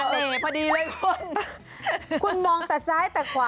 พอดีเลยคุณคุณมองแต่ซ้ายแต่ขวา